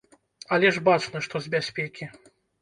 Але ж бачна, што з бяспекі.